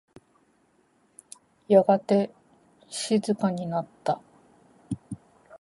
やがて静かになった。